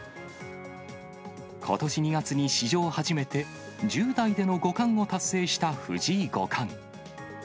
ことし２月に、史上初めて１０代での五冠を達成した藤井五冠。